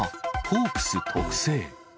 ホークス特製。